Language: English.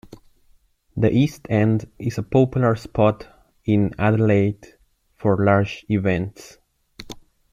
The East End is a popular spot in Adelaide for large events.